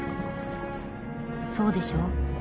そうでしょう？